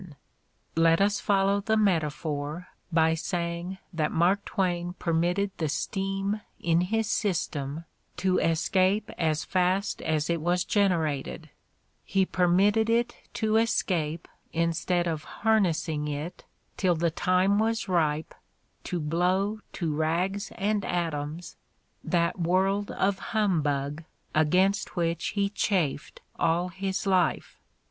220 The Ordeal of Mark Twain Let us follow the metaphor by saying that Mark Twain permitted the steam in his system to escape as fast as it was generated: he permitted it to escape instead of harnessing it till the time was ripe to "blow to rags and atoms" that world of humbug against which he chafed all his life.